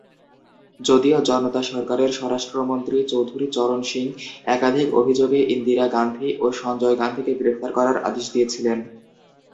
যদিও জনতা সরকারের স্বরাষ্ট্রমন্ত্রী চৌধুরী চরণ সিং একাধিক অভিযোগে ইন্দিরা গান্ধী ও সঞ্জয় গান্ধীকে গ্রেফতার করার আদেশ দিয়েছিলেন।